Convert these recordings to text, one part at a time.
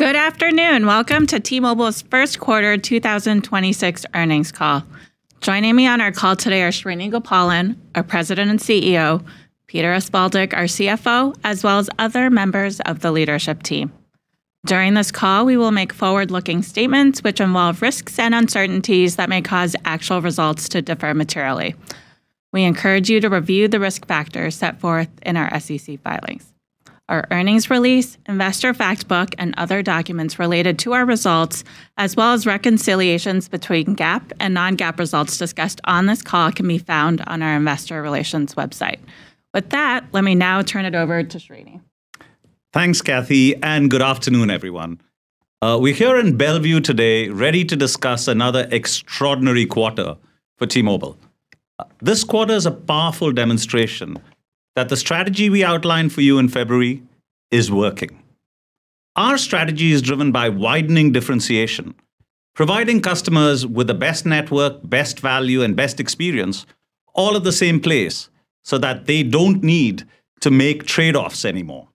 Good afternoon. Welcome to T-Mobile's first quarter 2026 earnings call. Joining me on our call today are Srini Gopalan, our President and CEO, Peter Osvaldik, our CFO, as well as other members of the leadership team. During this call, we will make forward-looking statements which involve risks and uncertainties that may cause actual results to differ materially. We encourage you to review the risk factors set forth in our SEC filings. Our earnings release, investor fact book, and other documents related to our results, as well as reconciliations between GAAP and non-GAAP results discussed on this call can be found on our investor relations website. With that, let me now turn it over to Srini. Thanks, Cathy. Good afternoon, everyone. We're here in Bellevue today ready to discuss another extraordinary quarter for T-Mobile. This quarter is a powerful demonstration that the strategy we outlined for you in February is working. Our strategy is driven by widening differentiation, providing customers with the best network, best value, and best experience all at the same place so that they don't need to make trade-offs anymore.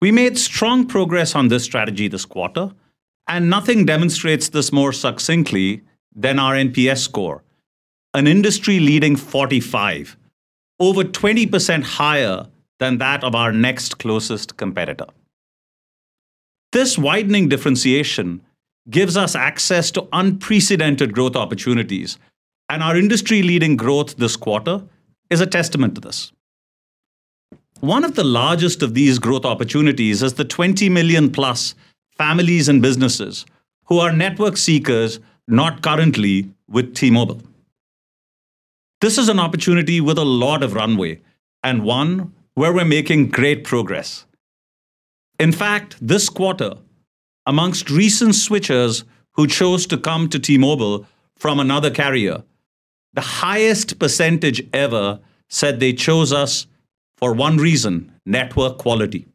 We made strong progress on this strategy this quarter. Nothing demonstrates this more succinctly than our NPS score, an industry-leading 45%, over 20% higher than that of our next closest competitor. This widening differentiation gives us access to unprecedented growth opportunities. Our industry-leading growth this quarter is a testament to this. One of the largest of these growth opportunities is the 20 million+ families and businesses who are network seekers not currently with T-Mobile. This is an opportunity with a lot of runway and one where we're making great progress. In fact, this quarter, amongst recent switchers who chose to come to T-Mobile from another carrier, the highest percentage ever said they chose us for one reason: network quality.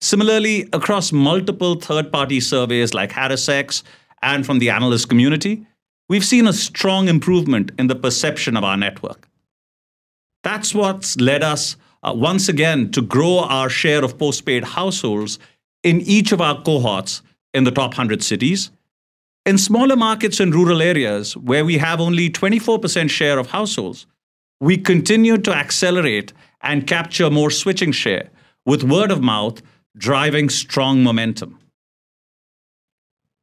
Similarly, across multiple third-party surveys like HarrisX and from the analyst community, we've seen a strong improvement in the perception of our network. That's what's led us once again to grow our share of postpaid households in each of our cohorts in the top 100 cities. In smaller markets and rural areas where we have only 24% share of households, we continue to accelerate and capture more switching share with word of mouth driving strong momentum.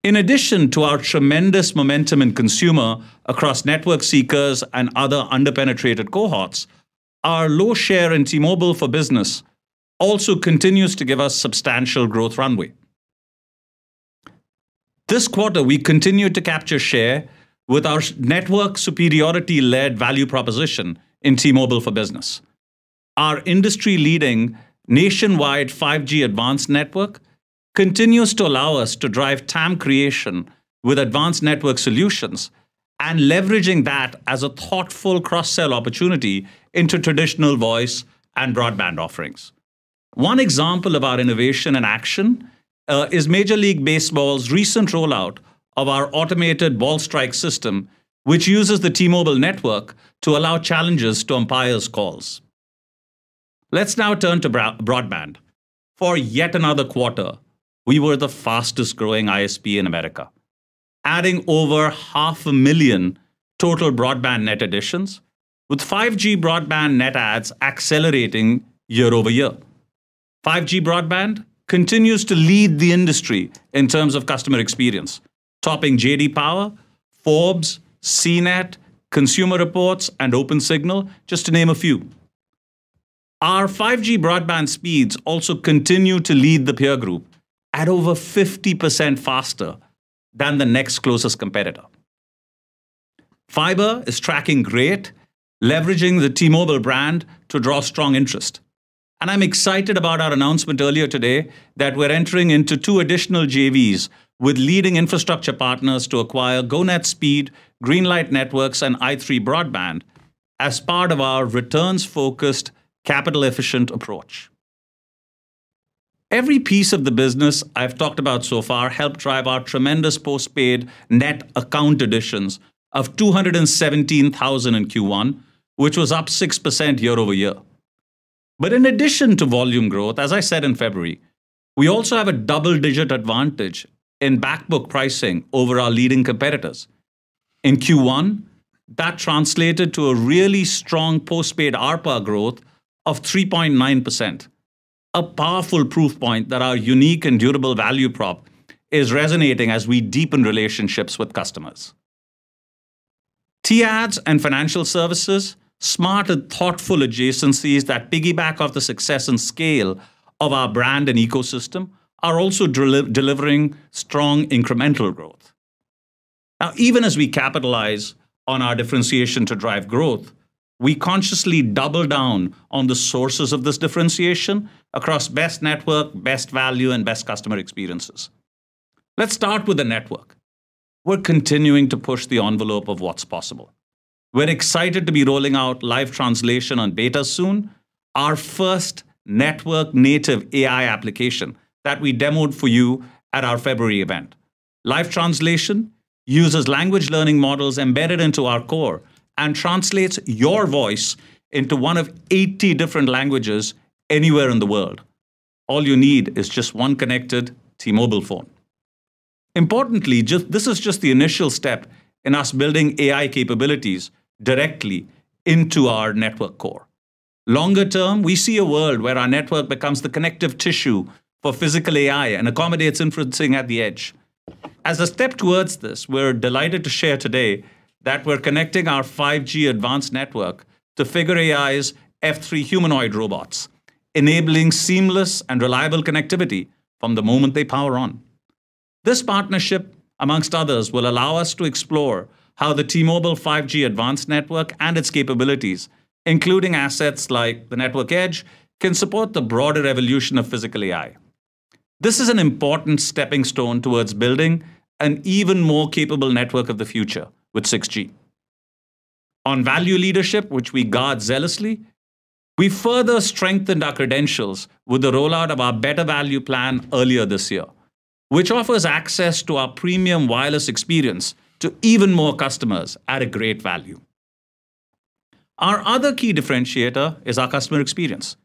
In addition to our tremendous momentum in consumer across network seekers and other under-penetrated cohorts, our low share in T-Mobile for Business also continues to give us substantial growth runway. This quarter, we continued to capture share with our network superiority-led value proposition in T-Mobile for Business. Our industry-leading nationwide 5G Advanced network continues to allow us to drive TAM creation with Advanced network solutions and leveraging that as a thoughtful cross-sell opportunity into traditional voice and broadband offerings. One example of our innovation in action is Major League Baseball's recent rollout of our automated ball-strike system, which uses the T-Mobile network to allow challenges to umpire's calls. Let's now turn to broadband. For yet another quarter, we were the fastest-growing ISP in the U.S., adding over 500,000 total broadband net additions with 5G broadband net adds accelerating year-over-year. 5G broadband continues to lead the industry in terms of customer experience, topping J.D. Power, Forbes, CNET, Consumer Reports, and Opensignal, just to name a few. Our 5G broadband speeds also continue to lead the peer group at over 50% faster than the next closest competitor. Fiber is tracking great, leveraging the T-Mobile brand to draw strong interest. I'm excited about our announcement earlier today, that we're entering into two additional JVs with leading infrastructure partners to acquire GoNetspeed, Greenlight Networks, and i3 Broadband as part of our returns-focused, capital-efficient approach. Every piece of the business I've talked about so far helped drive our tremendous postpaid net account additions of 217,000 in Q1, which was up 6% year-over-year. In addition to volume growth, as I said in February, we also have a double-digit advantage in backbook pricing over our leading competitors. In Q1, that translated to a really strong postpaid ARPA growth of 3.9%, a powerful proof point that our unique and durable value prop is resonating as we deepen relationships with customers. T-Ads and financial services, smart and thoughtful adjacencies that piggyback off the success and scale of our brand and ecosystem, are also delivering strong incremental growth. Even as we capitalize on our differentiation to drive growth, we consciously double down on the sources of this differentiation across best network, best value, and best customer experiences. Let's start with the network. We're continuing to push the envelope of what's possible. We're excited to be rolling out live translation on beta soon, our first network-native AI application that we demoed for you at our February event. Live translation, uses language learning models embedded into our core and translates your voice into one of 80 different languages anywhere in the world. All you need is just one connected T-Mobile phone. Importantly, this is just the initial step in us building AI capabilities directly into our network core. Longer term, we see a world where our network becomes the connective tissue for physical AI and accommodates inferencing at the edge. As a step towards this, we're delighted to share today that we're connecting our 5G Advanced network to Figure AI's Figure 03 humanoid robots, enabling seamless and reliable connectivity from the moment they power on. This partnership, amongst others, will allow us to explore how the T-Mobile 5G Advanced network and its capabilities, including assets like the network edge, can support the broader evolution of physical AI. This is an important stepping stone towards building an even more capable network of the future with 6G. On value leadership, which we guard zealously, we further strengthened our credentials with the rollout of our better value plan earlier this year, which offers access to our premium wireless experience to even more customers at a great value. Our other key differentiator is our customer experience.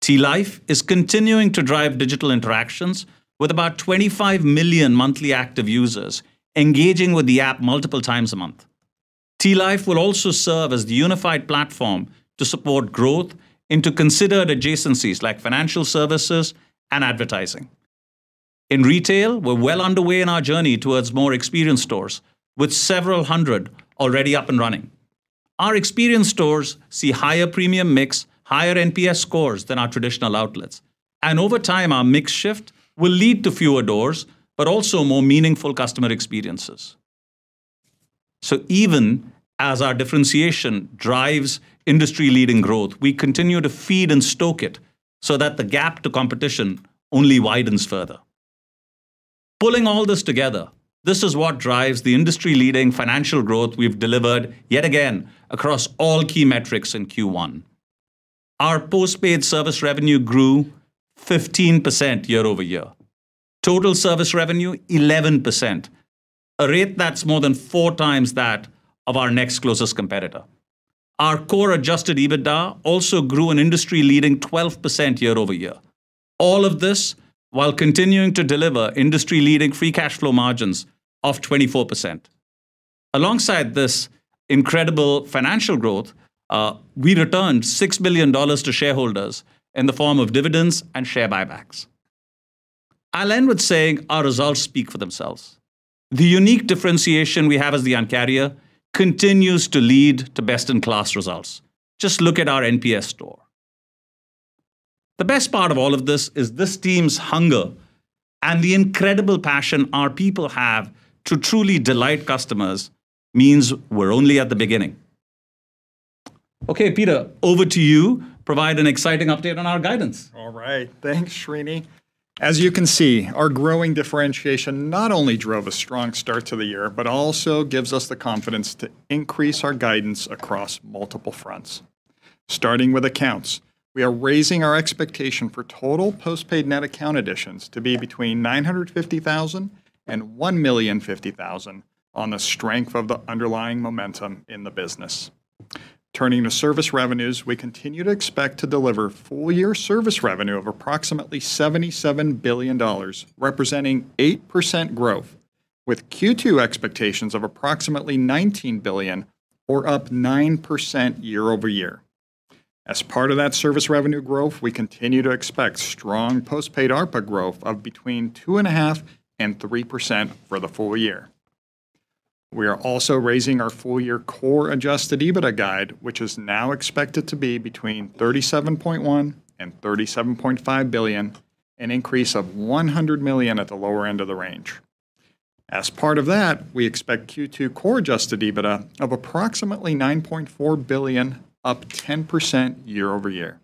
T-Life is continuing to drive digital interactions with about 25 million monthly active users engaging with the app multiple times a month. T-Life will also serve as the unified platform to support growth into considered adjacencies like financial services and advertising. In retail, we're well underway in our journey towards more experience stores with several hundred already up and running. Our experience stores see higher premium mix, higher NPS scores than our traditional outlets, and over time, our mix shift will lead to fewer doors, but also more meaningful customer experiences. Even as our differentiation drives industry-leading growth, we continue to feed and stoke it, so that the gap to competition only widens further. Pulling all this together, this is what drives the industry-leading financial growth we've delivered yet again across all key metrics in Q1. Our postpaid service revenue grew 15% year-over-year. Total service revenue, 11%, a rate that's more than four times that of our next closest competitor. Our core adjusted EBITDA also grew an industry-leading 12% year-over-year. All of this while continuing to deliver industry-leading free cash flow margins of 24%. Alongside this incredible financial growth, we returned $6 billion to shareholders in the form of dividends and share buybacks. I'll end with saying our results speak for themselves. The unique differentiation we have as the Un-carrier continues to lead to best-in-class results. Just look at our NPS score. The best part of all of this is this team's hunger and the incredible passion our people have to truly delight customers means we're only at the beginning. Okay, Peter, over to you. Provide an exciting update on our guidance. All right. Thanks, Srini. As you can see, our growing differentiation not only drove a strong start to the year, but also gives us the confidence to increase our guidance across multiple fronts. Starting with accounts, we are raising our expectation for total postpaid net account additions to be between 950,000 and 1,050,000 on the strength of the underlying momentum in the business. Turning to service revenues, we continue to expect to deliver full-year service revenue of approximately $77 billion, representing 8% growth, with Q2 expectations of approximately $19 billion or up 9% year-over-year. As part of that service revenue growth, we continue to expect strong postpaid ARPA growth of between 2.5% and 3% for the full year. We are also raising our full-year core adjusted EBITDA guide, which is now expected to be between $37.1 billion and $37.5 billion, an increase of $100 million at the lower end of the range. As part of that, we expect Q2 core adjusted EBITDA of approximately $9.4 billion, up 10% year-over-year.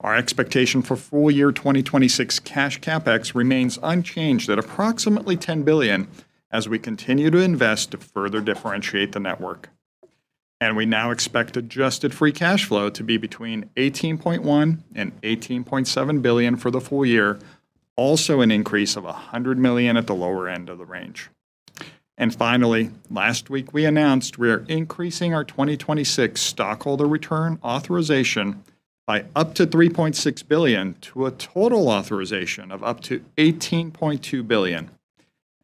Our expectation for full-year 2026 cash CapEx remains unchanged at approximately $10 billion as we continue to invest to further differentiate the network. We now expect adjusted free cash flow to be between $18.1 billion and $18.7 billion for the full year, also an increase of $100 million at the lower end of the range. Finally, last week we announced we are increasing our 2026 stockholder return authorization by up to $3.6 billion to a total authorization of up to $18.2 billion.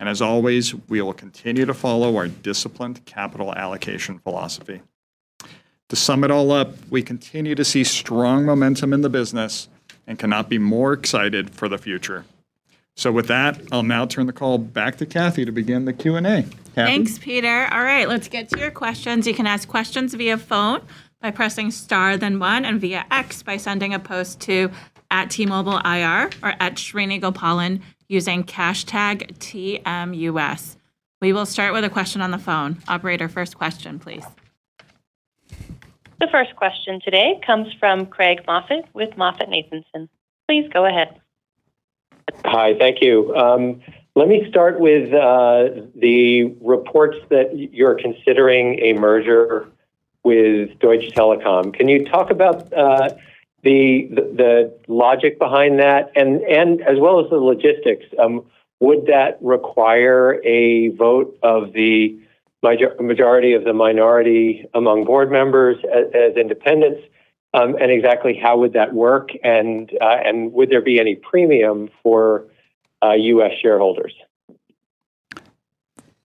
As always, we will continue to follow our disciplined capital allocation philosophy. To sum it all up, we continue to see strong momentum in the business and cannot be more excited for the future. With that, I'll now turn the call back to Cathy to begin the Q&A. Cathy? Thanks, Peter. All right, let's get to your questions. You can ask questions via phone by pressing star then one and via X by sending a post to @T-MobileIR or @SriniGopalan using #TMUS. We will start with a question on the phone. Operator, first question, please. The first question today comes from Craig Moffett with MoffettNathanson. Please go ahead. Hi. Thank you. Let me start with the reports that you're considering a merger with Deutsche Telekom. Can you talk about the logic behind that and as well as the logistics? Would that require a vote of the majority of the minority among board members as independents? Exactly how would that work? Would there be any premium for U.S. shareholders?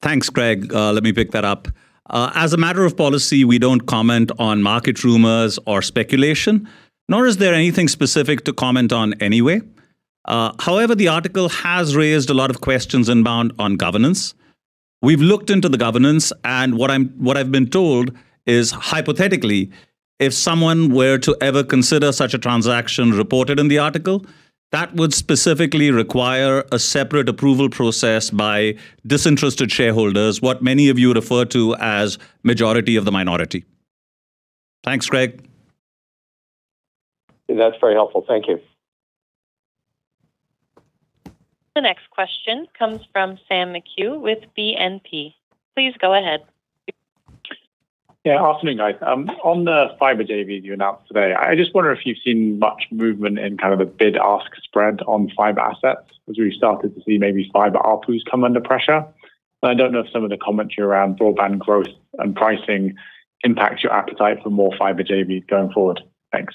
Thanks, Craig Moffett. Let me pick that up. As a matter of policy, we don't comment on market rumors or speculation, nor is there anything specific to comment on anyway. However, the article has raised a lot of questions inbound on governance. We've looked into the governance, what I've been told is, hypothetically, if someone were to ever consider such a transaction reported in the article, that would specifically require a separate approval process by disinterested shareholders, what many of you refer to as majority of the minority. Thanks, Craig Moffett. That's very helpful. Thank you. The next question comes from Sam McHugh with BNP. Please go ahead. Yeah, afternoon, guys. On the fiber JV you announced today, I just wonder if you've seen much movement in kind of a bid-ask spread on fiber assets as we've started to see maybe fiber ARPU come under pressure. I don't know if some of the commentary around broadband growth and pricing impacts your appetite for more fiber JVs going forward. Thanks.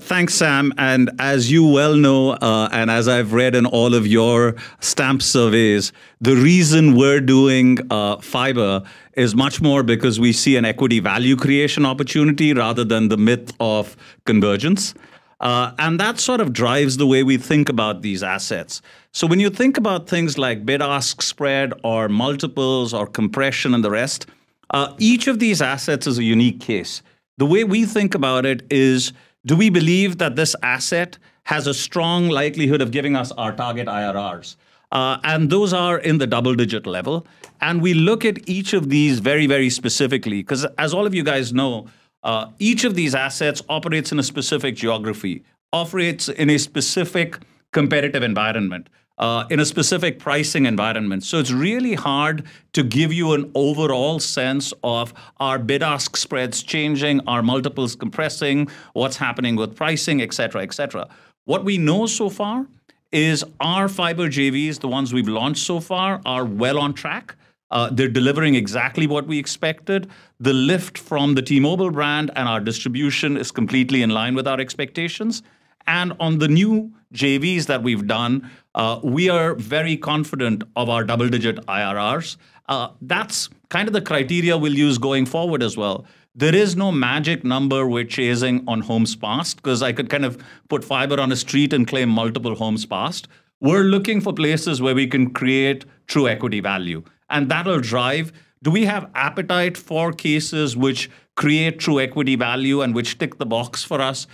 Thanks, Sam, as you well know, and as I've read in all of your stamp surveys, the reason we're doing fiber is much more because we see an equity value creation opportunity rather than the myth of convergence. That sort of drives the way we think about these assets. When you think about things like bid-ask spread or multiples or compression and the rest, each of these assets is a unique case. The way we think about it is, do we believe that this asset has a strong likelihood of giving us our target IRRs? Those are in the double-digit level. We look at each of these very, very specifically, 'cause as all of you guys know, each of these assets operates in a specific geography, operates in a specific competitive environment, in a specific pricing environment. It's really hard to give you an overall sense of are bid-ask spreads changing, are multiples compressing, what's happening with pricing, et cetera, et cetera. What we know so far is our fiber JVs, the ones we've launched so far, are well on track. They're delivering exactly what we expected. The lift from the T-Mobile brand and our distribution is completely in line with our expectations. On the new JVs that we've done, we are very confident of our double-digit IRRs. That's kind of the criteria we'll use going forward as well. There is no magic number we're chasing on homes passed, 'cause I could kind of put fiber on a street and claim multiple homes passed. We're looking for places where we can create true equity value, and that'll drive do we have appetite for cases which create true equity value and which tick the box for us,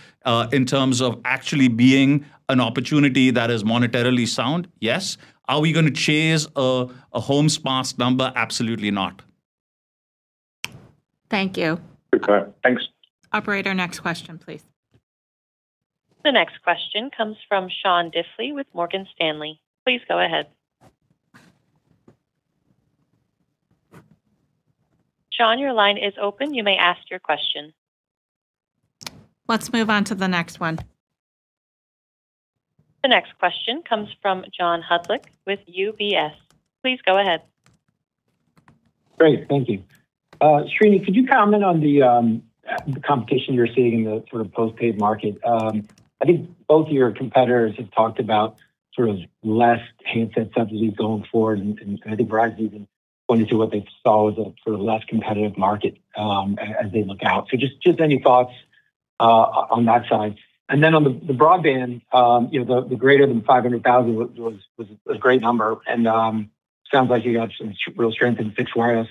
in terms of actually being an opportunity that is monetarily sound? Yes. Are we gonna chase a homes passed number? Absolutely not. Thank you. Okay. Thanks. Operator, next question, please. The next question comes from Sean Diffley with Morgan Stanley. Please go ahead. Sean, your line is open. You may ask your question. Let's move on to the next one. The next question comes from John Hodulik with UBS. Please go ahead. Great. Thank you. Srini, could you comment on the competition you're seeing in the sort of postpaid market? I think both of your competitors have talked about sort of less handset subsidies going forward, and I think Brad even pointed to what they saw as a sort of less competitive market as they look out. Just any thoughts on that side. On the broadband, you know, the greater than 500,000 was a great number, and sounds like you got some real strength in fixed wireless.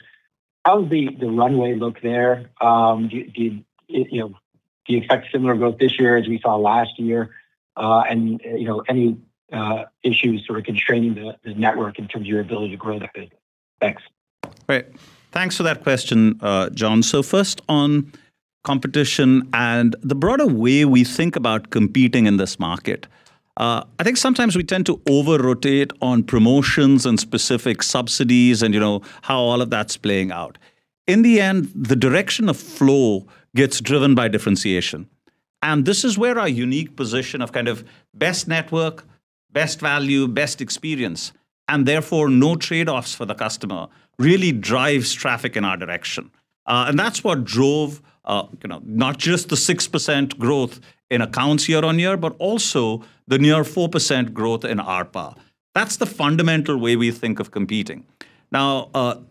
How does the runway look there? Do you know, do you expect similar growth this year as we saw last year? You know, any issues sort of constraining the network in terms of your ability to grow that business? Thanks. Right. Thanks for that question, John. First on competition and the broader way we think about competing in this market. I think sometimes we tend to over-rotate on promotions and specific subsidies and, you know, how all of that's playing out. In the end, the direction of flow gets driven by differentiation. This is where our unique position of kind of best network, best value, best experience, and therefore no trade-offs for the customer really drives traffic in our direction. That's what drove, you know, not just the 6% growth in accounts year-over-year, but also the near 4% growth in ARPA. That's the fundamental way we think of competing. Now,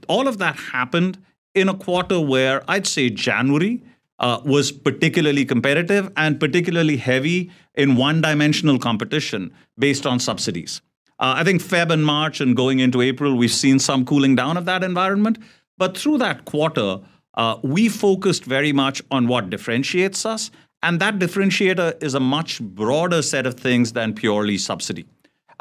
all of that happened in a quarter where I'd say January was particularly competitive and particularly heavy in one-dimensional competition based on subsidies. I think February and March and going into April, we've seen some cooling down of that environment. Through that quarter, we focused very much on what differentiates us, and that differentiator is a much broader set of things than purely subsidy.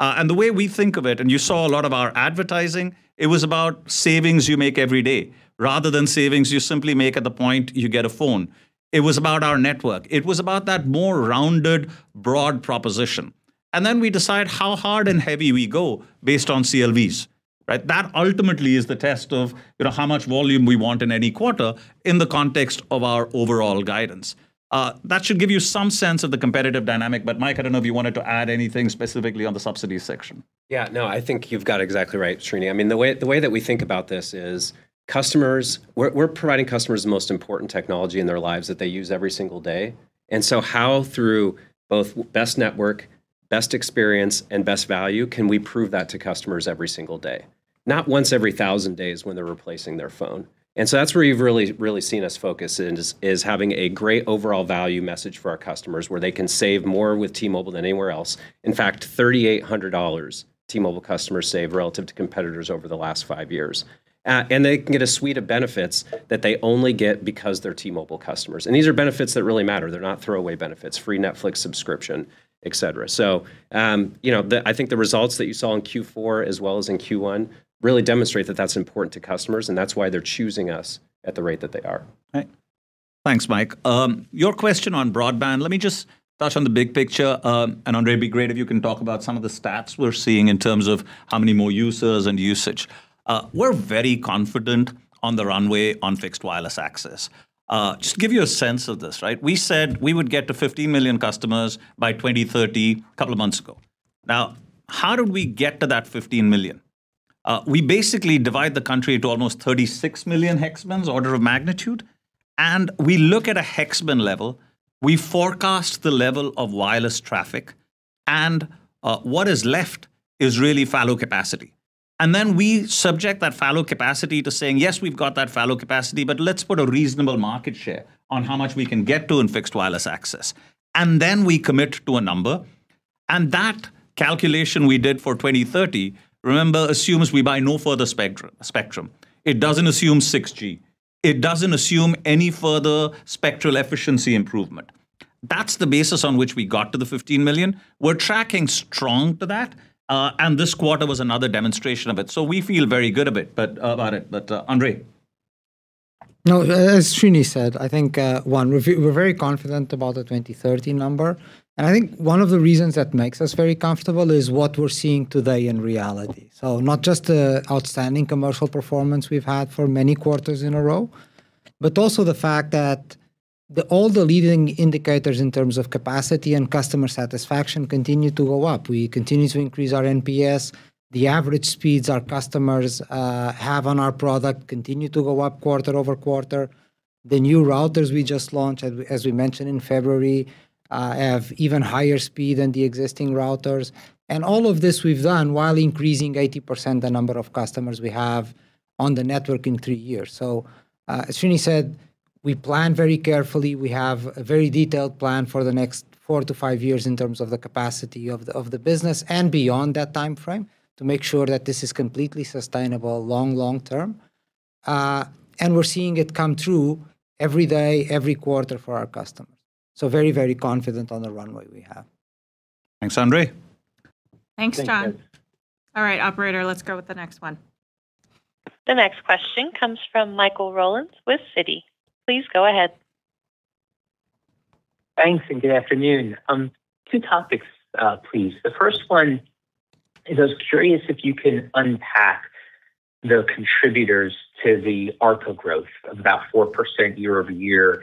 The way we think of it, and you saw a lot of our advertising, it was about savings you make every day rather than savings you simply make at the point you get a phone. It was about our network. It was about that more rounded, broad proposition. Then we decide how hard and heavy we go based on CLVs, right? That ultimately is the test of, you know, how much volume we want in any quarter in the context of our overall guidance. That should give you some sense of the competitive dynamic. Mike, I don't know if you wanted to add anything specifically on the subsidy section. Yeah, no, I think you've got it exactly right, Srini. I mean, the way that we think about this is customers, we're providing customers the most important technology in their lives that they use every single day. How through both best network, best experience, and best value can we prove that to customers every single day? Not once every 1,000 days when they're replacing their phone. That's where you've really seen us focus and is having a great overall value message for our customers where they can save more with T-Mobile than anywhere else. In fact, $3,800 T-Mobile customers save relative to competitors over the last five years. They can get a suite of benefits that they only get because they're T-Mobile customers, and these are benefits that really matter. They're not throwaway benefits. Free Netflix subscription, et cetera. you know, I think the results that you saw in Q4 as well as in Q1 really demonstrate that that's important to customers, and that's why they're choosing us at the rate that they are. Right. Thanks, Mike. Your question on broadband, let me just touch on the big picture. André, it'd be great if you can talk about some of the stats we're seeing in terms of how many more users and usage. We're very confident on the runway on fixed wireless access. Just to give you a sense of this, right? We said we would get to 50 million customers by 2030 a couple of months ago. How do we get to that 15 million? We basically divide the country to almost 36 million hex bins, order of magnitude, and we look at a hex bin level. We forecast the level of wireless traffic, and what is left is really fallow capacity. We subject that fallow capacity to saying, "Yes, we've got that fallow capacity, but let's put a reasonable market share on how much we can get to in Fixed Wireless Access." We commit to a number, and that calculation we did for 2030, remember, assumes we buy no further spectrum. It doesn't assume 6G. It doesn't assume any further spectral efficiency improvement. That's the basis on which we got to the 15 million. We're tracking strong to that, and this quarter was another demonstration of it. We feel very good about it. André. As Srini said, I think, one, we're very confident about the 2030 number. I think one of the reasons that makes us very comfortable is what we're seeing today in reality. Not just the outstanding commercial performance we've had for many quarters in a row, but also the fact that the all the leading indicators in terms of capacity and customer satisfaction continue to go up. We continue to increase our NPS. The average speeds our customers have on our product continue to go up quarter-over-quarter. The new routers we just launched, as we mentioned in February, have even higher speed than the existing routers. All of this we've done while increasing 80% the number of customers we have on the network in three years. As Srini said, we plan very carefully. We have a very detailed plan for the next four to five years in terms of the capacity of the business and beyond that timeframe to make sure that this is completely sustainable long, long term. We're seeing it come through every day, every quarter for our customers. Very, very confident on the runway we have. Thanks, André. Thank you. Thanks, John. All right, operator, let's go with the next one. The next question comes from Michael Rollins with Citi. Please go ahead. Thanks, good afternoon. Two topics, please. The first one is I was curious if you can unpack the contributors to the ARPA growth of about 4% year-over-year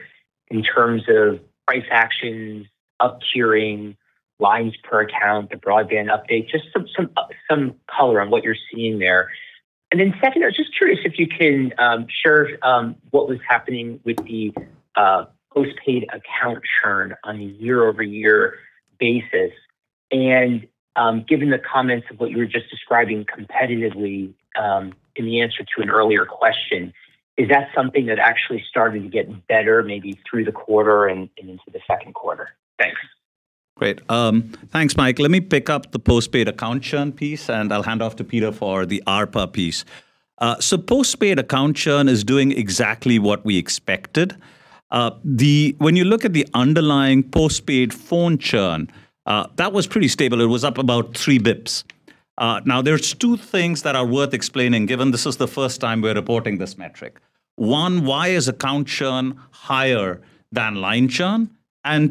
in terms of price actions, up tiering, lines per account, the broadband update. Just some color on what you're seeing there. Second, I was just curious if you can share what was happening with the post-paid account churn on a year-over-year basis. Given the comments of what you were just describing competitively, in the answer to an earlier question, is that something that actually started to get better maybe through the quarter and into the second quarter? Thanks. Great. Thanks, Mike. Let me pick up the postpaid account churn piece, and I'll hand off to Peter for the ARPA piece. Postpaid account churn is doing exactly what we expected. When you look at the underlying postpaid phone churn, that was pretty stable. It was up about three bips. There's two things that are worth explaining given this is the first time we're reporting this metric. One, why is account churn higher than line churn?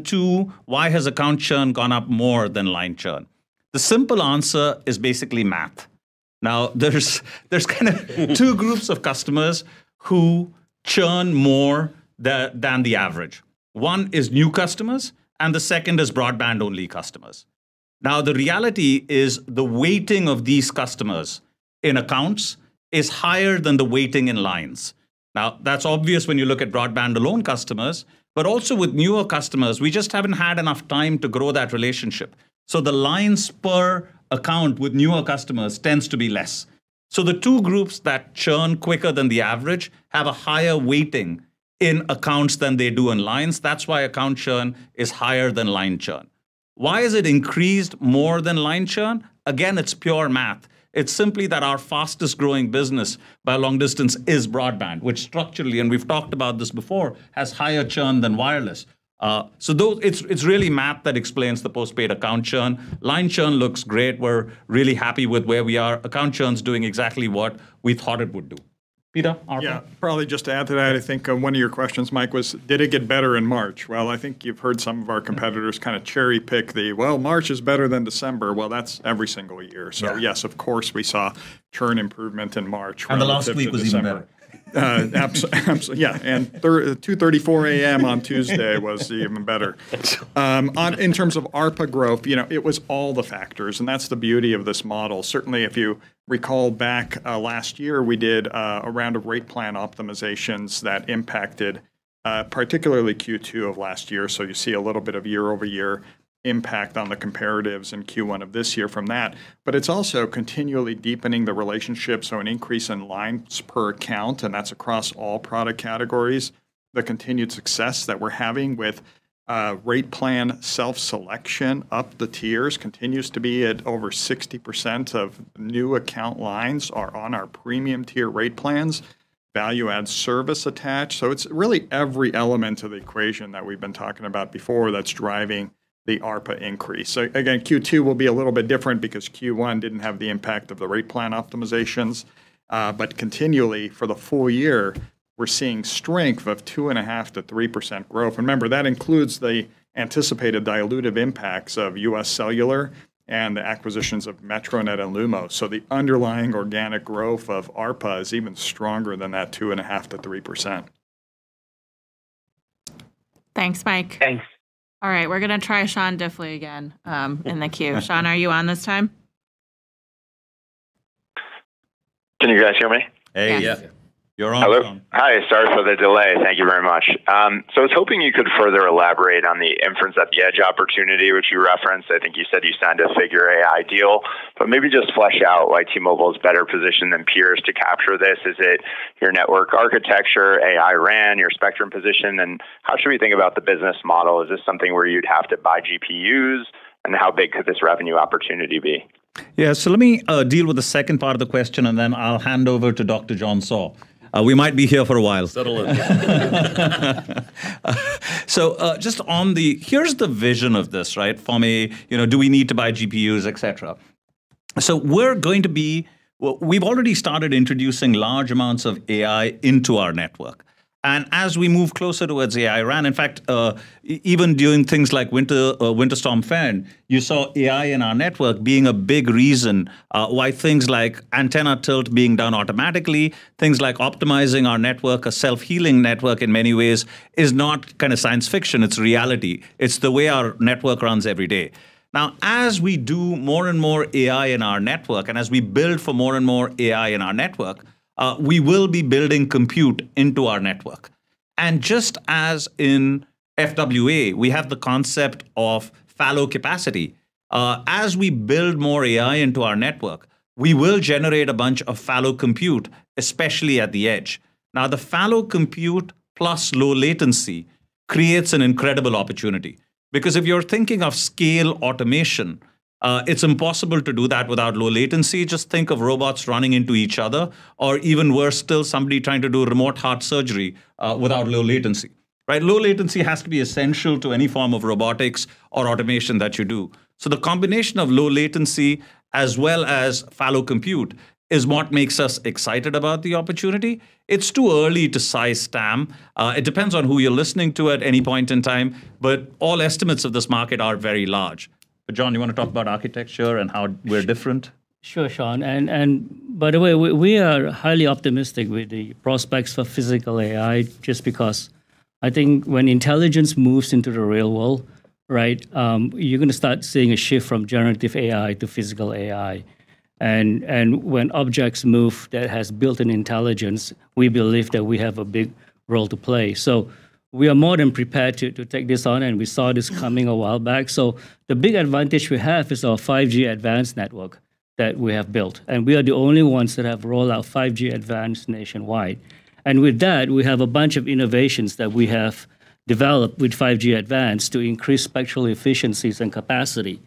Two, why has account churn gone up more than line churn? The simple answer is basically math. There's two groups of customers who churn more than the average. One is new customers, and the second is broadband-only customers. The reality is the weighting of these customers in accounts is higher than the weighting in lines. That's obvious when you look at broadband-alone customers. Also with newer customers, we just haven't had enough time to grow that relationship. The lines per account with newer customers tends to be less. The two groups that churn quicker than the average, have a higher weighting in accounts than they do in lines. That's why account churn is higher than line churn. Why is it increased more than line churn? Again, it's pure math. It's simply that our fastest-growing business by a long distance is broadband, which structurally, and we've talked about this before, has higher churn than wireless. It's really math that explains the postpaid account churn. Line churn looks great. We're really happy with where we are. Account churn's doing exactly what we thought it would do. Peter, ARPA Yeah. Probably just to add to that, I think, one of your questions, Mike, was did it get better in March? Well, I think you've heard some of our competitors kind of cherry-pick the, "Well, March is better than December." Well, that's every single year. Yeah. Yes, of course, we saw churn improvement in March relative to December. The last week was even better. Yeah. 2:34 A.M. on Tuesday was even better. In terms of ARPA growth, you know, it was all the factors, and that's the beauty of this model. Certainly, if you recall back, last year, we did a round of rate plan optimizations that impacted particularly Q2 of last year. You see a little bit of year-over-year impact on the comparatives in Q1 of this year from that. It's also continually deepening the relationship, so an increase in lines per account, and that's across all product categories. The continued success that we're having with rate plan self-selection up the tiers continues to be at over 60% of new account lines are on our premium tier rate plans, value-add service attached. It's really every element of the equation that we've been talking about before that's driving the ARPA increase. Again, Q2 will be a little bit different because Q1 didn't have the impact of the rate plan optimizations. Continually, for the full year, we're seeing strength of 2.5%-3% growth. Remember, that includes the anticipated dilutive impacts of UScellular and the acquisitions of Metronet and Lumos. The underlying organic growth of ARPA is even stronger than that 2.5%-3%. Thanks, Mike. Thanks. All right, we're gonna try Sean Diffley again, in the queue. Sean, are you on this time? Can you guys hear me? Hey. Yeah. Yes. You're on, Sean. Hello. Hi, sorry for the delay. Thank you very much. I was hoping you could further elaborate on the inference at the Edge opportunity which you referenced. I think you said you signed a Figure AI deal, maybe just flesh out why T-Mobile's better positioned than peers to capture this. Is it your network architecture, AI RAN, your spectrum position? How should we think about the business model? Is this something where you'd have to buy GPUs? How big could this revenue opportunity be? Yeah. Let me deal with the second part of the question, and then I'll hand over to Dr. John Saw. We might be here for a while. Settle in. Here's the vision of this, right? For me, you know, do we need to buy GPUs, et cetera. We've already started introducing large amounts of AI into our network. As we move closer towards AI RAN, in fact, even during things like Winter Storm Fern, you saw AI in our network being a big reason why things like antenna tilt being done automatically, things like optimizing our network, a self-healing network in many ways, is not kind of science fiction, it's reality. It's the way our network runs every day. As we do more and more AI in our network, and as we build for more and more AI in our network, we will be building compute into our network. Just as in FWA, we have the concept of fallow capacity. As we build more AI into our network, we will generate a bunch of fallow compute, especially at the Edge. The fallow compute plus low latency creates an incredible opportunity because if you're thinking of scale automation, it's impossible to do that without low latency. Just think of robots running into each other, or even worse still, somebody trying to do remote heart surgery, without low latency. Low latency has to be essential to any form of robotics or automation that you do. The combination of low latency as well as fallow compute is what makes us excited about the opportunity. It's too early to size TAM. It depends on who you're listening to at any point in time, but all estimates of this market are very large. John, you wanna talk about architecture and how we're different? Sure, Sean. By the way, we are highly optimistic with the prospects for physical AI just because I think when intelligence moves into the real world, right? You're going to start seeing a shift from generative AI to physical AI. When objects move that has built-in intelligence, we believe that we have a big role to play. We are more than prepared to take this on, and we saw this coming a while back. The big advantage we have is our 5G Advanced network that we have built, and we are the only ones that have rolled out 5G Advanced nationwide. With that, we have a bunch of innovations that we have developed with 5G Advanced to increase spectral efficiencies and capacity,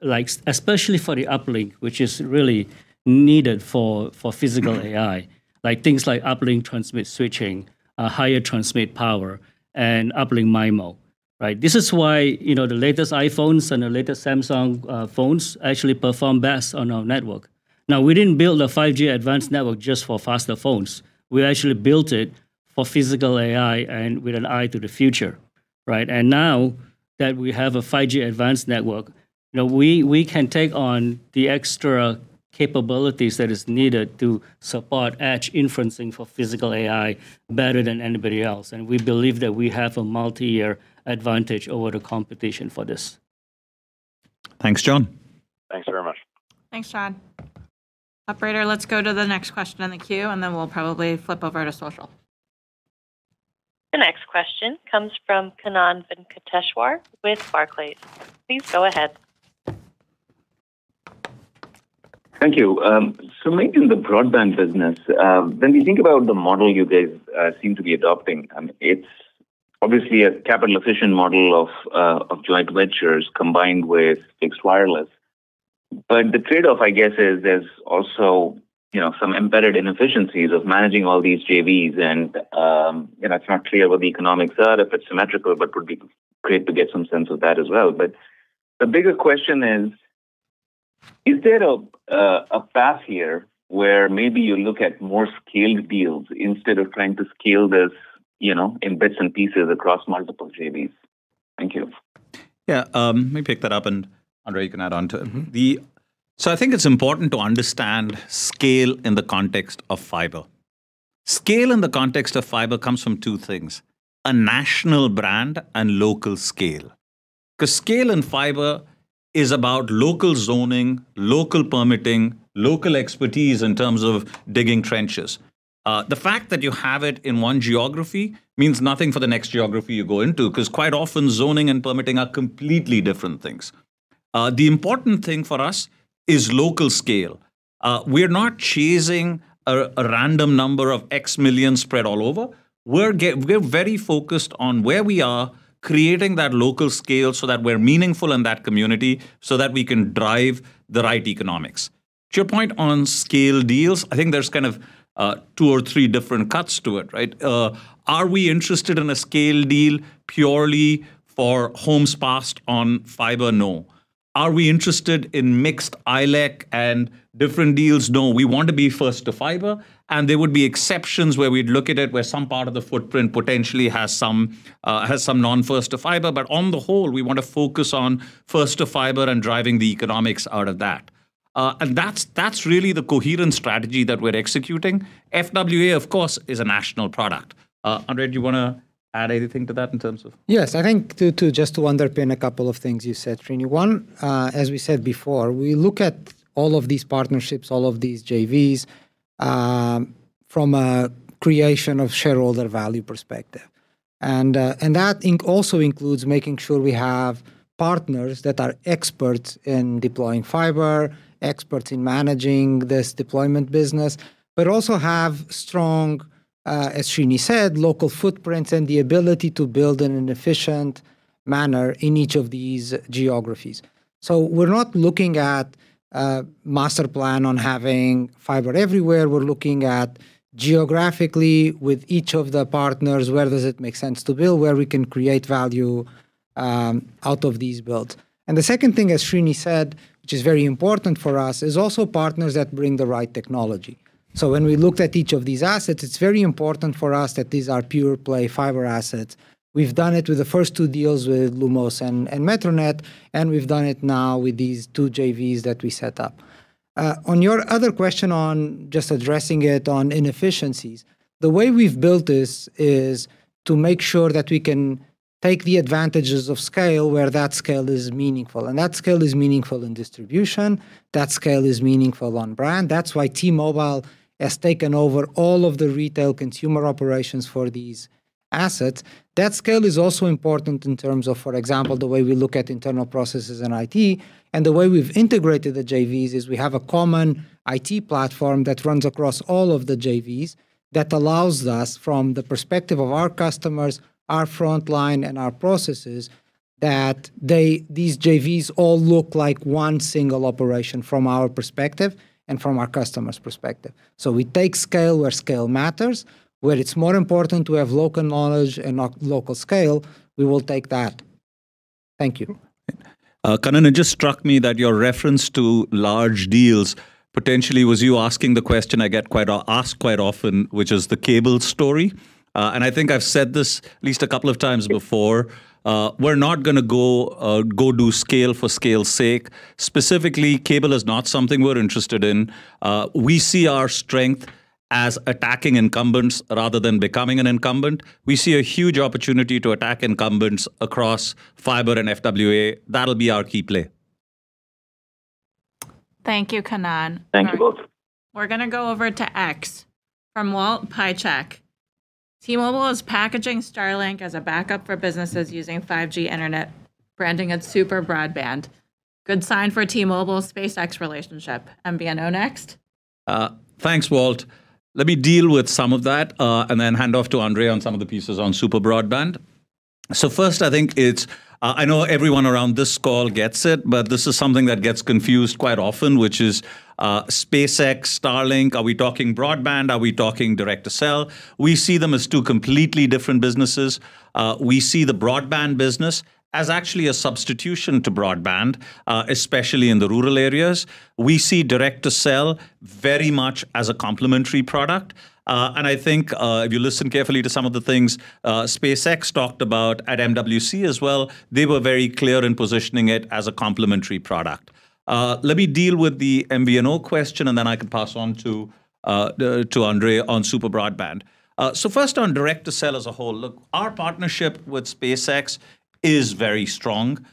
like, especially for the uplink, which is really needed for physical AI. Like, things like uplink transmit switching, a higher transmit power, and uplink MIMO. Right? This is why, you know, the latest iPhones and the latest Samsung phones actually perform best on our network. Now, we didn't build a 5G Advanced network just for faster phones. We actually built it for physical AI and with an eye to the future, right? Now that we have a 5G Advanced network, you know, we can take on the extra capabilities that is needed to support edge inferencing for physical AI better than anybody else, and we believe that we have a multi-year advantage over the competition for this. Thanks, John. Thanks very much. Thanks, John. Operator, let's go to the next question in the queue, and then we'll probably flip over to social. The next question comes from Kannan Venkateshwar with Barclays. Please go ahead. Thank you. Making the broadband business, when we think about the model you guys seem to be adopting, it's obviously a capital-efficient model of joint ventures combined with fixed wireless. The trade-off, I guess, is there's also, you know, some embedded inefficiencies of managing all these JVs and, you know, it's not clear what the economics are, if it's symmetrical, but would be great to get some sense of that as well. The bigger question is? Is there a path here where maybe you look at more scaled deals instead of trying to scale this, you know, in bits and pieces across multiple JVs? Thank you. Yeah, let me pick that up. André, you can add on to it. Mm-hmm. I think it's important to understand scale in the context of fiber. Scale in the context of fiber comes from two things: a national brand and local scale. Scale and fiber is about local zoning, local permitting, local expertise in terms of digging trenches. The fact that you have it in one geography means nothing for the next geography you go into, 'cause quite often zoning and permitting are completely different things. The important thing for us is local scale. We're not chasing a random number of X million spread all over. We're very focused on where we are, creating that local scale so that we're meaningful in that community so that we can drive the right economics. To your point on scale deals, I think there's kind of two or three different cuts to it, right? Are we interested in a scale deal purely for homes passed on fiber? No. Are we interested in mixed ILEC and different deals? No. We want to be first to fiber, and there would be exceptions where we'd look at it where some part of the footprint potentially has some non-first to fiber. On the whole, we want to focus on first to fiber and driving the economics out of that. That's, that's really the coherent strategy that we're executing. FWA, of course, is a national product. André, do you wanna add anything to that in terms of- Yes, I think to just to underpin a couple of things you said, Srini. One, as we said before, we look at all of these partnerships, all of these JVs, from a creation of shareholder value perspective. That also includes making sure we have partners that are experts in deploying fiber, experts in managing this deployment business, but also have strong, as Srini said, local footprints and the ability to build in an efficient manner in each of these geographies. We're not looking at a master plan on having fiber everywhere. We're looking at geographically with each of the partners, where does it make sense to build, where we can create value out of these builds. The second thing, as Srini said, which is very important for us, is also partners that bring the right technology. When we looked at each of these assets, it's very important for us that these are pure play fiber assets. We've done it with the first two deals with Lumos and Metronet, and we've done it now with these two JVs that we set up. On your other question on just addressing it on inefficiencies, the way we've built this is to make sure that we can take the advantages of scale where that scale is meaningful, and that scale is meaningful in distribution, that scale is meaningful on brand. That's why T-Mobile has taken over all of the retail consumer operations for these assets. That scale is also important in terms of, for example, the way we look at internal processes and IT. The way we've integrated the JVs is we have a common IT platform that runs across all of the JVs that allows us, from the perspective of our customers, our frontline, and our processes, that these JVs all look like one single operation from our perspective and from our customers' perspective. We take scale where scale matters. Where it's more important to have local knowledge and local scale, we will take that. Thank you. Kannan, it just struck me that your reference to large deals potentially was you asking the question I get asked quite often, which is the cable story. I think I've said this at least a couple of times before. We're not gonna go do scale for scale's sake. Specifically, cable is not something we're interested in. We see our strength as attacking incumbents rather than becoming an incumbent. We see a huge opportunity to attack incumbents across fiber and FWA. That'll be our key play. Thank you, Kannan. Thank you both. We're gonna go over to X from Walt Piecyk. T-Mobile is packaging Starlink as a backup for businesses using 5G internet, branding it SuperBroadband. Good sign for T-Mobile's SpaceX relationship. MVNO next? Thanks, Walt. Let me deal with some of that, and then hand off to André on some of the pieces on SuperBroadband. First, I think it's, I know everyone around this call gets it, but this is something that gets confused quite often, which is SpaceX, Starlink. Are we talking broadband? Are we talking direct-to-cell? We see them as two completely different businesses. We see the broadband business as actually a substitution to broadband, especially in the rural areas. We see direct-to-cell very much as a complementary product. And I think, if you listen carefully to some of the things SpaceX talked about at MWC as well, they were very clear in positioning it as a complementary product. Let me deal with the MVNO question, and then I can pass on to André on SuperBroadband. First on direct-to-cell as a whole, look, our partnership with SpaceX is very strong.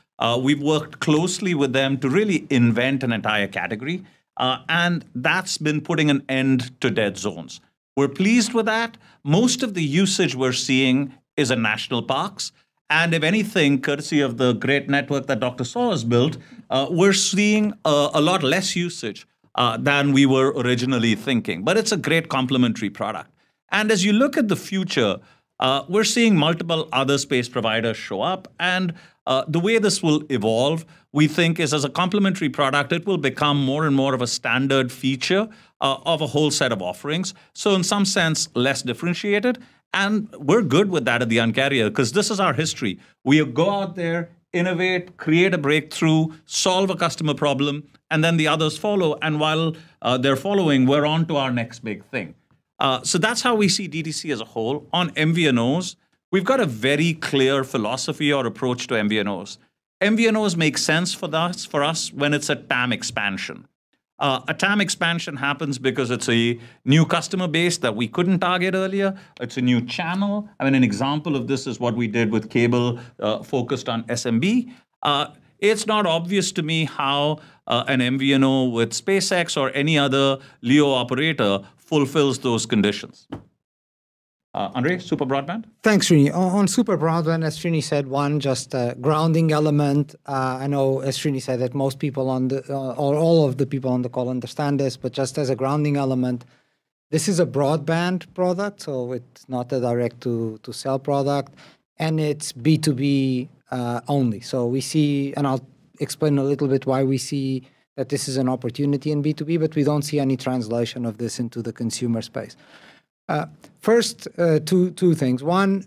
We've worked closely with them to really invent an entire category, and that's been putting an end to dead zones. We're pleased with that. Most of the usage we're seeing is in national parks. If anything, courtesy of the great network that Dr. Saw has built, we're seeing a lot less usage than we were originally thinking. It's a great complementary product. As you look at the future, we're seeing multiple other space providers show up. The way this will evolve, we think, is as a complementary product, it will become more and more of a standard feature of a whole set of offerings, so in some sense, less differentiated. We're good with that at the Un-carrier, 'cause this is our history. We go out there, innovate, create a breakthrough, solve a customer problem, and then the others follow. While they're following, we're on to our next big thing. That's how we see DTC as a whole. On MVNOs, we've got a very clear philosophy or approach to MVNOs. MVNOs make sense for us when it's a TAM expansion. A TAM expansion happens because it's a new customer base that we couldn't target earlier. It's a new channel. I mean, an example of this is what we did with cable, focused on SMB. It's not obvious to me how an MVNO with SpaceX or any other LEO operator fulfills those conditions. André, SuperBroadband? Thanks, Srini. On SuperBroadband, as Srini said, one just a grounding element. I know, as Srini said, that most people on the or all of the people on the call understand this, but just as a grounding element, this is a broadband product, so it's not a direct-to-cell product, and it's B2B only. We see. I'll explain a little bit why we see that this is an opportunity in B2B, but we don't see any translation of this into the consumer space. First, two things. One,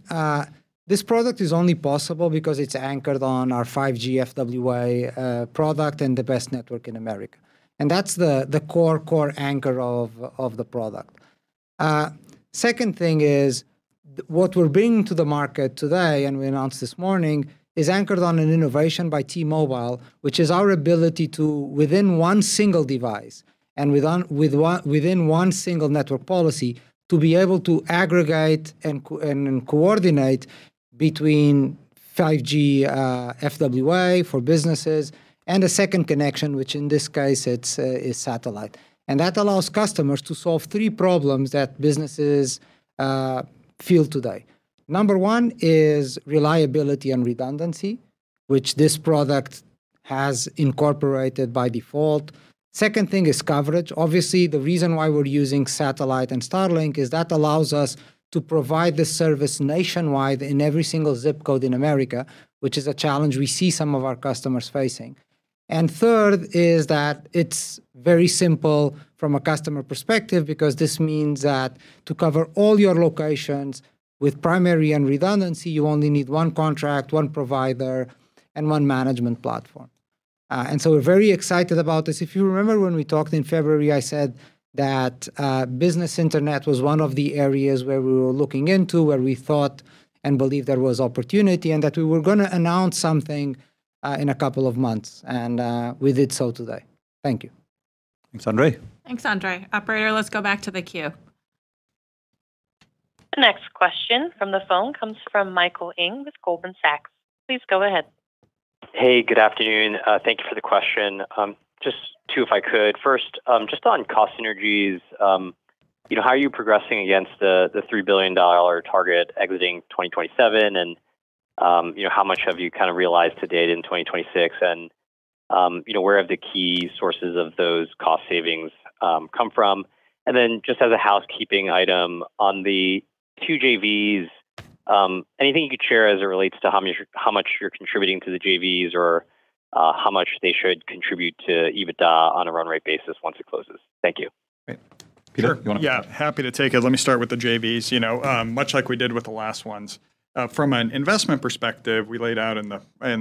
this product is only possible because it's anchored on our 5G FWA product and the best network in America, and that's the core anchor of the product. Second thing is what we're bringing to the market today, and we announced this morning, is anchored on an innovation by T-Mobile, which is our ability to, within one single device, and within one single network policy, to be able to aggregate and coordinate between 5G FWA for businesses and a second connection, which in this case it's satellite. That allows customers to solve three problems that businesses feel today. Number one is reliability and redundancy, which this product has incorporated by default. Second thing is coverage. Obviously, the reason why we're using satellite and Starlink is that allows us to provide this service nationwide in every single zip code in America, which is a challenge we see some of our customers facing. Third is that it's very simple from a customer perspective because this means that to cover all your locations with primary and redundancy, you only need one contract, one provider, and one management platform. So we're very excited about this. If you remember when we talked in February, I said that Business Internet was one of the areas where we were looking into, where we thought and believed there was opportunity, and that we were gonna announce something in a couple of months, and we did so today. Thank you. Thanks, André. Thanks, André. Operator, let's go back to the queue. The next question from the phone comes from Michael Ng with Goldman Sachs. Please go ahead. Hey, good afternoon. Thank you for the question. Just two if I could. First, just on cost synergies, you know, how are you progressing against the $3 billion target exiting 2027? You know, how much have you kind of realized to date in 2026 and, you know, where have the key sources of those cost savings come from? Just as a housekeeping item on the two JVs, anything you could share as it relates to how much you're contributing to the JVs or how much they should contribute to EBITDA on a run rate basis once it closes? Thank you. Great. Peter, you wanna- Sure. Yeah, happy to take it. Let me start with the JVs. You know, much like we did with the last ones, from an investment perspective, we laid out in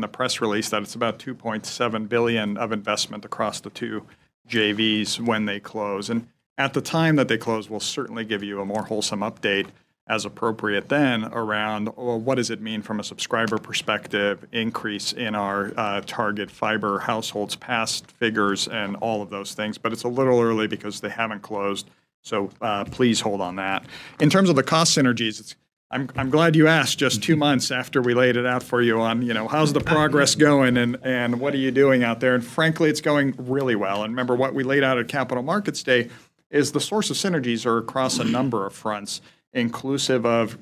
the press release that it's about $2.7 billion of investment across the two JVs when they close. At the time that they close, we'll certainly give you a more wholesome update as appropriate then around, well, what does it mean from a subscriber perspective, increase in our target fiber households, past figures, and all of those things. It's a little early because they haven't closed, so, please hold on that. In terms of the cost synergies, I'm glad you asked just two months after we laid it out for you on, you know, how's the progress going and what are you doing out there? Frankly, it's going really well. Remember, what we laid out at Capital Markets Day is the source of synergies are across a number of fronts, inclusive of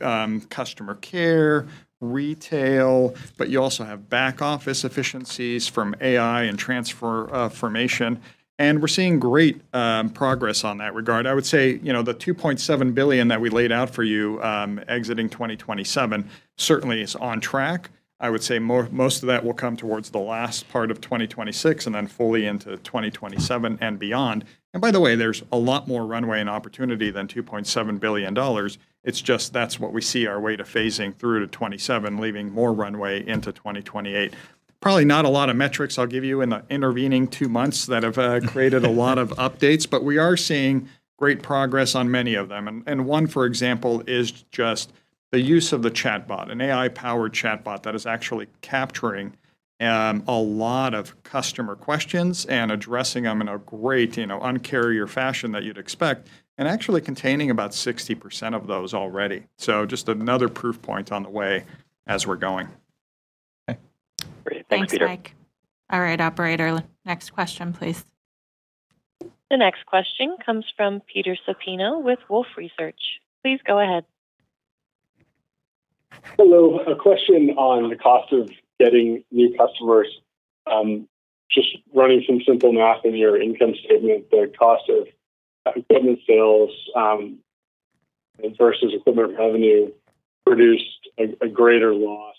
customer care, retail, but you also have back-office efficiencies from AI and transformation, and we're seeing great progress on that regard. I would say, you know, the $2.7 billion that we laid out for you, exiting 2027 certainly is on track. I would say most of that will come towards the last part of 2026 and then fully into 2027 and beyond. By the way, there's a lot more runway and opportunity than $2.7 billion. It's just that's what we see our way to phasing through to 2027, leaving more runway into 2028. Probably not a lot of metrics I'll give you in the intervening two months that have created a lot of updates. We are seeing great progress on many of them. One, for example, is just the use of the chatbot, an AI-powered chatbot that is actually capturing a lot of customer questions and addressing them in a great, you know, Un-carrier fashion that you'd expect, and actually containing about 60% of those already. Just another proof point on the way as we're going. Okay. Great. Thanks, Peter. Thanks, Mike. All right, operator, next question, please. The next question comes from Peter Supino with Wolfe Research. Please go ahead. Hello. A question on the cost of getting new customers. Just running some simple math in your income statement, the cost of equipment sales, versus equipment revenue produced a greater loss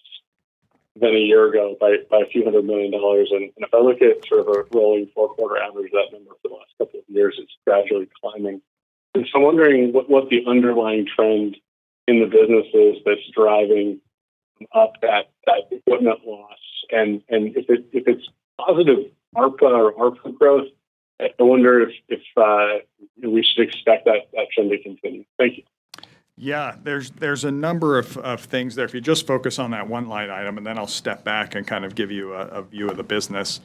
than a year ago by a few hundred million dollars. If I look at sort of a rolling four-quarter average of that number for the last couple of years, it's gradually climbing. I'm wondering what the underlying trend in the business is that's driving up that equipment loss. If it's positive ARPA or ARPA growth, I wonder if we should expect that actually to continue. Thank you. There's a number of things there. If you just focus on that one line item, I'll step back and kind of give you a view of the business.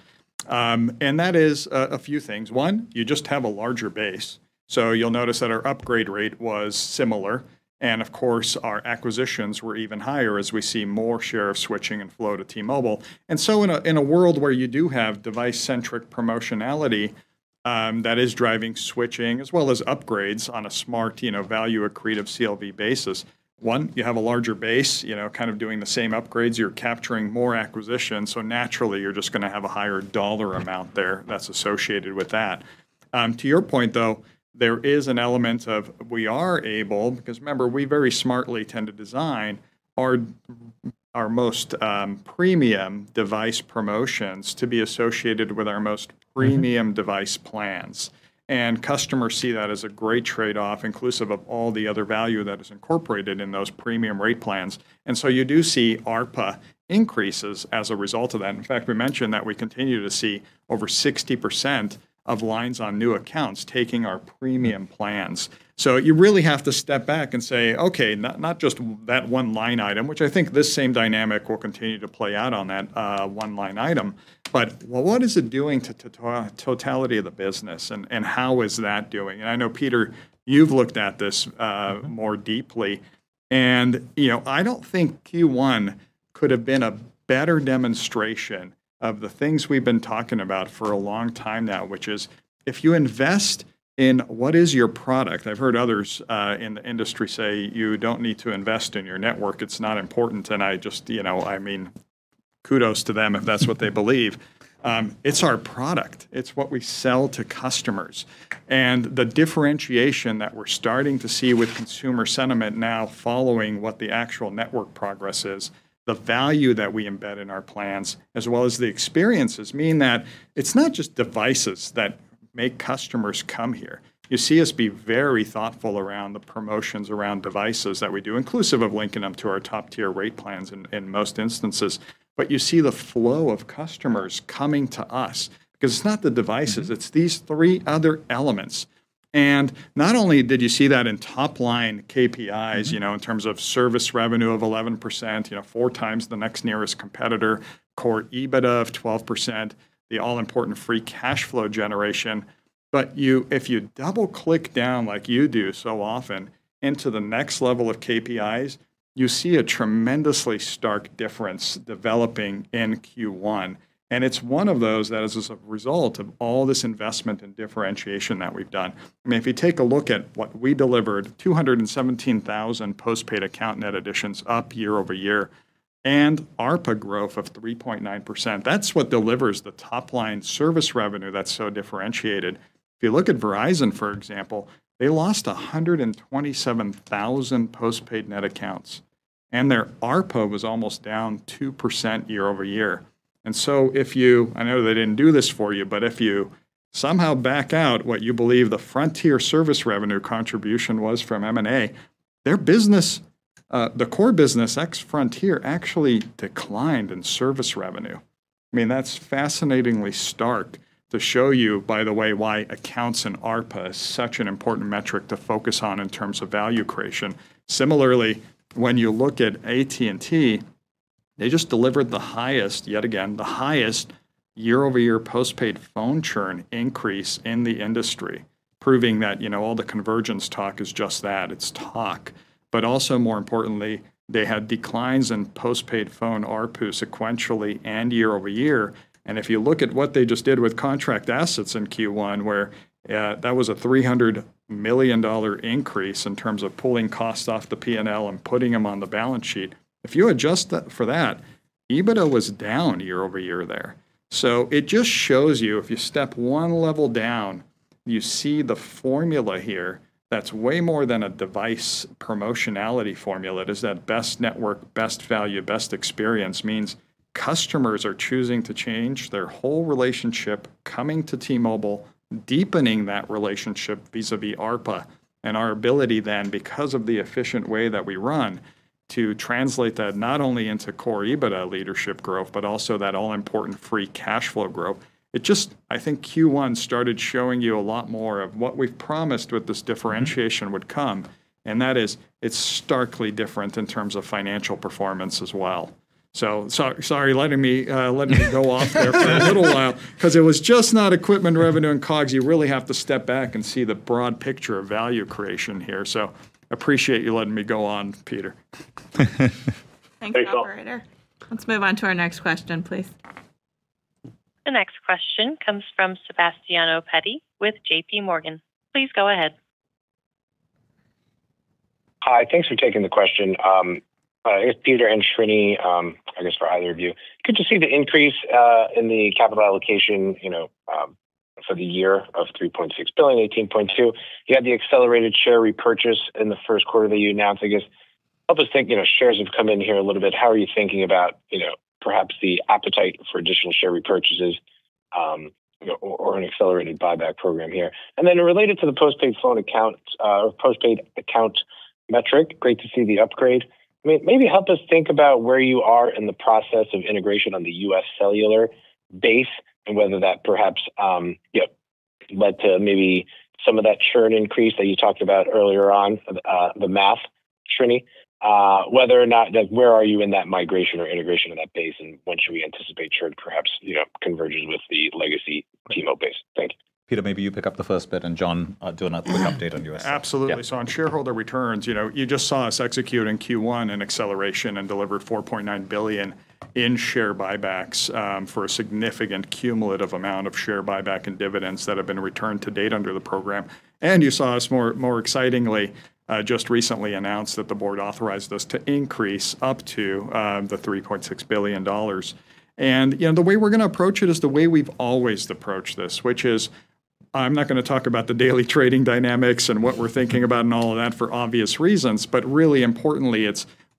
That is a few things. One, you just have a larger base. You'll notice that our upgrade rate was similar, and of course, our acquisitions were even higher as we see more share of switching and flow to T-Mobile. In a world where you do have device-centric promotionality, that is driving switching as well as upgrades on a smart, you know, value accretive CLV basis. One, you have a larger base, you know, kind of doing the same upgrades. You're capturing more acquisition, naturally you're just gonna have a higher dollar amount there that's associated with that. To your point though, there is an element of we are able. Remember, we very smartly tend to design our most premium device promotions to be associated with our most- Mm-hmm... device plans. Customers see that as a great trade-off inclusive of all the other value that is incorporated in those premium rate plans. You do see ARPA increases as a result of that. In fact, we mentioned that we continue to see over 60% of lines on new accounts taking our premium plans. You really have to step back and say, "Okay, not just that one line item," which I think this same dynamic will continue to play out on that one line item. What is it doing to totality of the business, and how is that doing? I know, Peter, you've looked at this more deeply. You know, I don't think Q1 could have been a better demonstration of the things we've been talking about for a long time now, which is if you invest in what is your product. I've heard others in the industry say you don't need to invest in your network. It's not important. I just, you know, I mean, kudos to them if that's what they believe. It's our product. It's what we sell to customers. The differentiation that we're starting to see with consumer sentiment now following what the actual network progress is, the value that we embed in our plans, as well as the experiences mean that it's not just devices that make customers come here. You see us be very thoughtful around the promotions around devices that we do, inclusive of linking them to our top-tier rate plans in most instances. You see the flow of customers coming to us, because it's not the devices. It's these three other elements. Not only did you see that in top line KPIs- Mm-hmm you know, in terms of service revenue of 11%, you know, four times the next nearest competitor, core EBITDA of 12%, the all-important free cash flow generation. If you double-click down like you do so often into the next level of KPIs, you see a tremendously stark difference developing in Q1, and it's one of those that is as a result of all this investment in differentiation that we've done. I mean, if you take a look at what we delivered, 217,000 postpaid account net additions up year-over-year, and ARPA growth of 3.9%. That's what delivers the top line service revenue that's so differentiated. If you look at Verizon, for example, they lost 127,000 postpaid net accounts, and their ARPA was almost down 2% year-over-year. If you I know they didn't do this for you, but if you somehow back out what you believe the Frontier service revenue contribution was from M&A, their business, the core business ex Frontier actually declined in service revenue. I mean, that's fascinatingly stark to show you, by the way, why accounts and ARPA is such an important metric to focus on in terms of value creation. Similarly, when you look at AT&T, they just delivered the highest, yet again, the highest year-over-year postpaid phone churn increase in the industry, proving that, you know, all the convergence talk is just that. It's talk. Also more importantly, they had declines in postpaid phone ARPU sequentially and year-over-year. If you look at what they just did with contract assets in Q1, where that was a $300 million increase in terms of pulling costs off the P&L and putting them on the balance sheet. If you adjust that, for that, EBITDA was down year-over-year there. It just shows you if you step one level down, you see the formula here that's way more than a device promotionality formula. It is that best network, best value, best experience, means customers are choosing to change their whole relationship coming to T-Mobile, deepening that relationship vis-à-vis ARPA, and our ability then, because of the efficient way that we run, to translate that not only into core EBITDA leadership growth but also that all-important free cash flow growth. I think Q1 started showing you a lot more of what we've promised with this differentiation would come, and that is it's starkly different in terms of financial performance as well. Sorry letting me go off there for a little while because it was just not equipment revenue and COGS. You really have to step back and see the broad picture of value creation here. Appreciate you letting me go on, Peter. Thanks, all. Thanks, operator. Let's move on to our next question, please. The next question comes from Sebastiano Petti with JPMorgan. Please go ahead. Hi. Thanks for taking the question. This is Peter and Srini, I guess for either of you. Could you see the increase in the capital allocation, for the year of $3.6 billion, $18.2 billion? You had the accelerated share repurchase in the first quarter that you announced. I guess help us think, you know, shares have come in here a little bit. How are you thinking about, you know, perhaps the appetite for additional share repurchases? Or an accelerated buyback program here. Related to the postpaid phone account, or postpaid account metric, great to see the upgrade. Maybe help us think about where you are in the process of integration on the UScellular base and whether that perhaps, you know, led to maybe some of that churn increase that you talked about earlier on, the math, Srini. Where are you in that migration or integration of that base, and when should we anticipate churn perhaps, you know, converges with the legacy T-Mobile base? Thank you. Peter, maybe you pick up the first bit, and Jon, do another quick update on U.S. Yeah. Absolutely. On shareholder returns, you know, you just saw us execute in Q1 an acceleration and delivered $4.9 billion in share buybacks for a significant cumulative amount of share buyback and dividends that have been returned to date under the program. You saw us more excitingly just recently announce that the board authorized us to increase up to the $3.6 billion. You know, the way we're gonna approach it is the way we've always approached this, which is I'm not gonna talk about the daily trading dynamics and what we're thinking about and all of that for obvious reasons, but really importantly,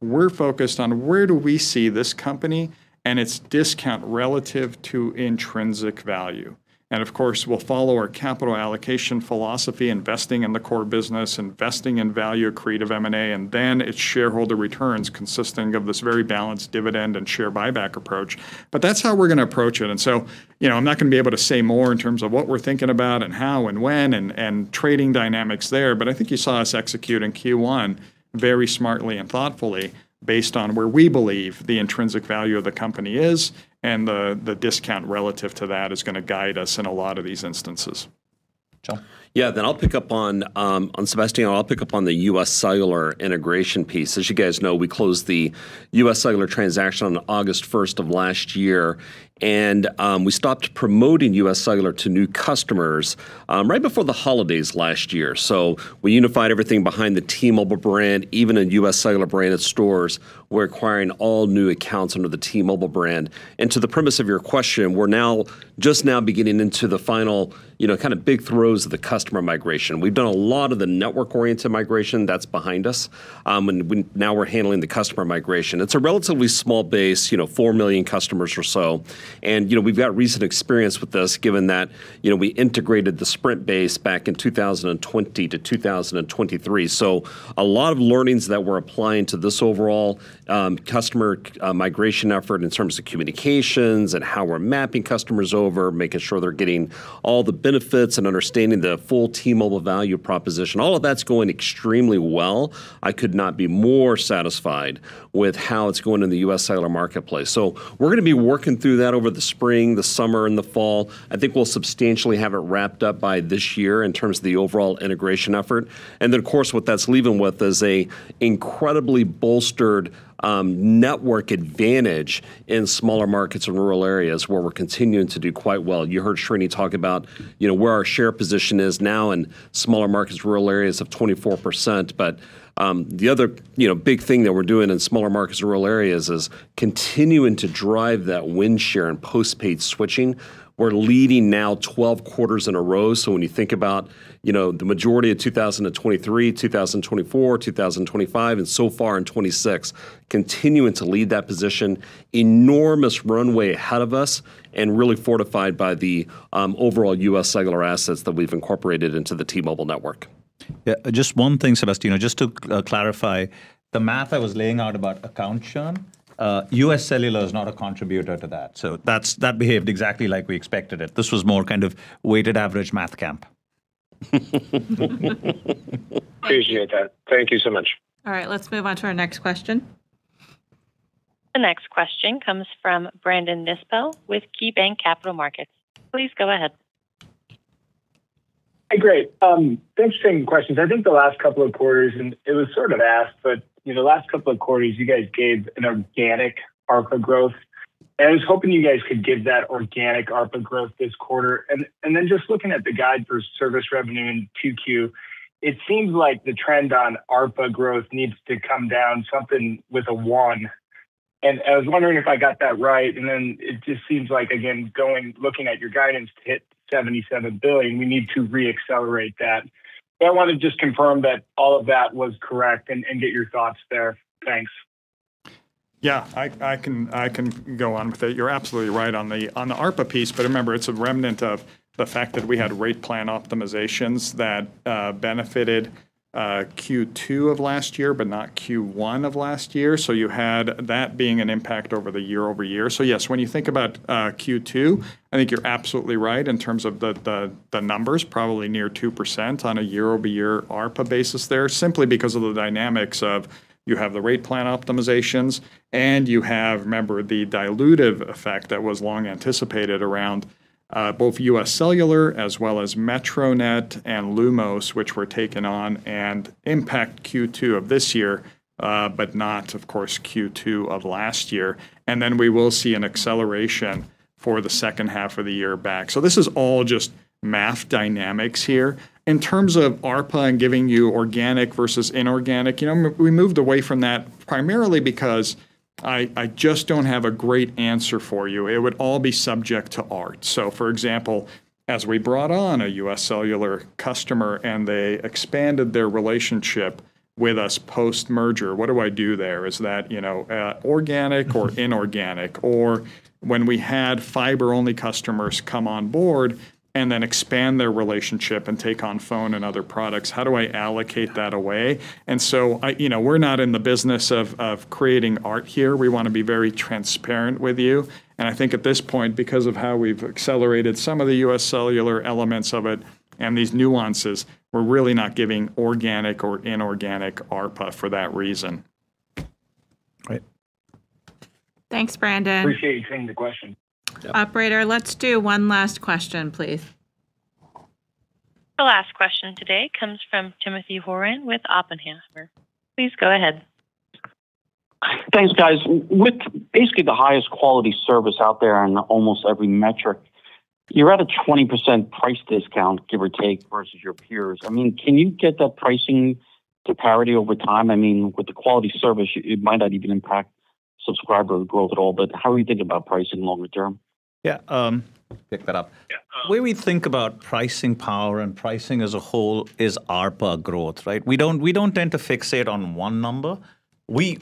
it's we're focused on where do we see this company and its discount relative to intrinsic value. Of course, we'll follow our capital allocation philosophy, investing in the core business, investing in value-accretive M&A, and then its shareholder returns consisting of this very balanced dividend and share buyback approach. That's how we're gonna approach it. You know, I'm not gonna be able to say more in terms of what we're thinking about and how and when and trading dynamics there. I think you saw us execute in Q1 very smartly and thoughtfully based on where we believe the intrinsic value of the company is, and the discount relative to that is gonna guide us in a lot of these instances. Jon. Yeah. I'll pick up on Sebastiano, I'll pick up on the UScellular integration piece. As you guys know, we closed the UScellular transaction on August first of last year. We stopped promoting UScellular to new customers right before the holidays last year. We unified everything behind the T-Mobile brand. Even in UScellular-branded stores, we're acquiring all new accounts under the T-Mobile brand. To the premise of your question, we're now just now beginning into the final, you know, kinda big throes of the customer migration. We've done a lot of the network-oriented migration. That's behind us. Now we're handling the customer migration. It's a relatively small base, you know, 4 million customers or so. You know, we've got recent experience with this given that, you know, we integrated the Sprint base back in 2020 to 2023. A lot of learnings that we're applying to this overall customer migration effort in terms of communications and how we're mapping customers over, making sure they're getting all the benefits and understanding the full T-Mobile value proposition. All of that's going extremely well. I could not be more satisfied with how it's going in the UScellular marketplace. We're gonna be working through that over the spring, the summer, and the fall. I think we'll substantially have it wrapped up by this year in terms of the overall integration effort. Of course, what that's leaving with is an incredibly bolstered network advantage in smaller markets and rural areas where we're continuing to do quite well. You heard Srini talk about, you know, where our share position is now in smaller markets, rural areas of 24%. The other, you know, big thing that we're doing in smaller markets and rural areas is continuing to drive that win share and postpaid switching. We're leading now 12 quarters in a row. When you think about, you know, the majority of 2023, 2024, 2025, and so far in 2026, continuing to lead that position, enormous runway ahead of us, and really fortified by the overall UScellular assets that we've incorporated into the T-Mobile network. Yeah, just one thing, Sebastiano, just to clarify, the math I was laying out about account churn, UScellular is not a contributor to that. That behaved exactly like we expected it. This was more kind of weighted average math camp. Great. Appreciate that. Thank you so much. All right, let's move on to our next question. The next question comes from Brandon Nispel with KeyBanc Capital Markets. Please go ahead. Hey, great. Interesting questions. I think the last couple of quarters, and it was sort of asked, but, you know, the last couple of quarters, you guys gave an organic ARPA growth, and I was hoping you guys could give that organic ARPA growth this quarter. Then just looking at the guide for service revenue in 2Q, it seems like the trend on ARPA growth needs to come down something with a 1%, and I was wondering if I got that right. Then it just seems like, again, looking at your guidance to hit $77 billion, we need to re-accelerate that. I want to just confirm that all of that was correct and get your thoughts there. Thanks. I can go on with it. You're absolutely right on the ARPA piece, but remember, it's a remnant of the fact that we had rate plan optimizations that benefited Q2 of last year but not Q1 of last year. You had that being an impact over the year-over-year. Yes, when you think about Q2, I think you're absolutely right in terms of the numbers, probably near 2% on a year-over-year ARPA basis there, simply because of the dynamics of you have the rate plan optimizations, and you have, remember, the dilutive effect that was long anticipated around both UScellular as well as Metronet and Lumos, which were taken on and impact Q2 of this year, but not, of course, Q2 of last year. We will see an acceleration for the second half of the year back. This is all just math dynamics here. In terms of ARPA and giving you organic versus inorganic, you know, we moved away from that primarily because I just don't have a great answer for you. It would all be subject to art. For example, as we brought on a UScellular customer and they expanded their relationship with us post-merger, what do I do there? Is that, you know, organic or inorganic? When we had fiber-only customers come on board and then expand their relationship and take on phone and other products, how do I allocate that away? You know, we're not in the business of creating art here. We wanna be very transparent with you. I think at this point, because of how we've accelerated some of the UScellular elements of it and these nuances, we're really not giving organic or inorganic ARPA for that reason. Right. Thanks, Brandon. Appreciate you taking the question. Operator, let's do one last question, please. The last question today comes from Timothy Horan with Oppenheimer. Please go ahead. Thanks, guys. With basically the highest quality service out there on almost every metric, you're at a 20% price discount, give or take, versus your peers. I mean, can you get that pricing to parity over time? I mean, with the quality service, it might not even impact subscriber growth at all. How are you thinking about pricing longer term? Yeah, pick that up. Yeah. The way we think about pricing power and pricing as a whole is ARPA growth, right? We don't tend to fixate on one number. We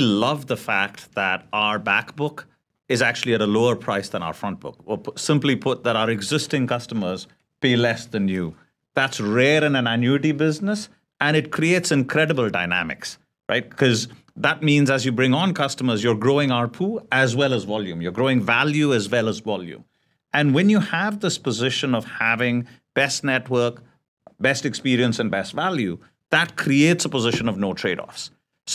love the fact that our back book is actually at a lower price than our front book, or simply put, that our existing customers pay less than you. That's rare in an annuity business, it creates incredible dynamics, right? That means as you bring on customers, you're growing ARPU as well as volume. You're growing value as well as volume. When you have this position of having best network, best experience, and best value, that creates a position of no trade-offs.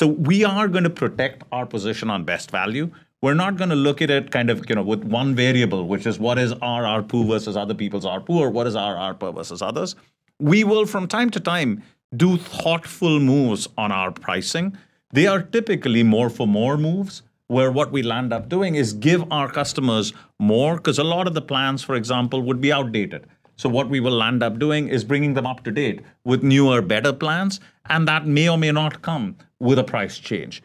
We are going to protect our position on best value. We're not gonna look at it kind of, you know, with one variable, which is what is our ARPU versus other people's ARPU, or what is our ARPA versus others. We will from time to time do thoughtful moves on our pricing. They are typically more for more moves, where what we'll end up doing is give our customers more, 'cause a lot of the plans, for example, would be outdated. What we will end up doing is bringing them up to date with newer, better plans, and that may or may not come with a price change.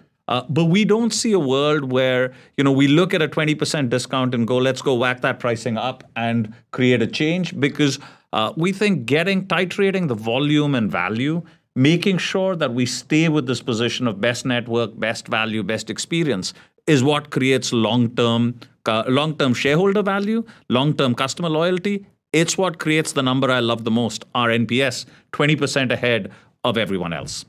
We don't see a world where, you know, we look at a 20% discount and go, "Let's go whack that pricing up and create a change," because we think getting titrating the volume and value, making sure that we stay with this position of best network, best value, best experience, is what creates long-term shareholder value, long-term customer loyalty. It's what creates the number I love the most, our NPS, 20% ahead of everyone else.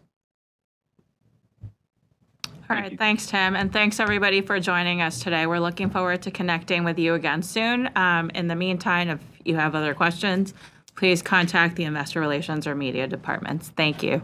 All right. Thanks, Tim, and thanks everybody for joining us today. We're looking forward to connecting with you again soon. In the meantime, if you have other questions, please contact the investor relations or media departments. Thank you.